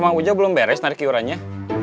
iya sama ujang belum beres narik urannya